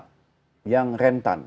jadi mengidentifikasi anak anak yang rentan